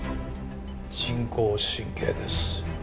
人工神経です。